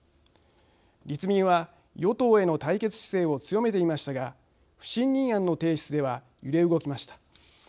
立民は与党への対決姿勢を強めていましたが不信任案の提出では揺れ動きました。